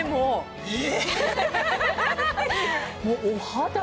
え！